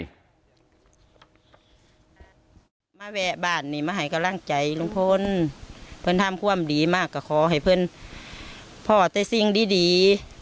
แวะบ้านนี่มาให้กำลังใจลุงพลเพื่อนทำความดีมากก็ขอให้เพื่อนพ่อแต่สิ่งดี